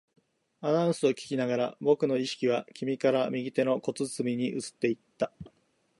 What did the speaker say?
アナウンスを聞きながら、僕の意識は君から右手の小包に移っていった